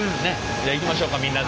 じゃあいきましょうかみんなで。